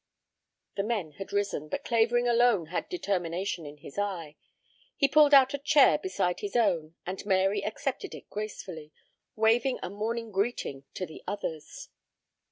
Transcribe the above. The men had risen, but Clavering alone had determination in his eye. He pulled out a chair beside his own, and Mary accepted it gracefully, waving a morning greeting to the others.